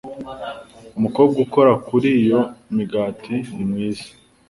Umukobwa ukora kuri iyo migati ni mwiza.